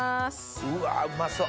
うわうまそう